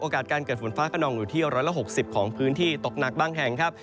การเกิดฝนฟ้าขนองอยู่ที่๑๖๐ของพื้นที่ตกหนักบางแห่งครับ